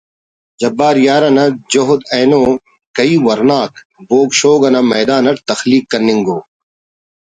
جبار یار نا جہد اینو کہی ورناک بوگ شوگ نا میدان اٹ تخلیق کننگ او